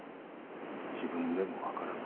自分でも分からん。